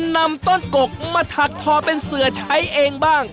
นำต้นกกมาถักทอเป็นเสือใช้เองบ้าง